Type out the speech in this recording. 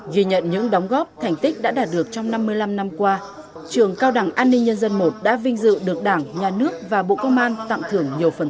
ghi nhận những đóng góp thành tích đã đạt được trong năm mươi năm năm qua trường cao đảng an ninh nhân dân i đã vinh dự được đảng nhà nước và bộ công an